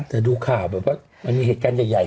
แต่ดูข้ามันมีเหตุการณ์ใหญ่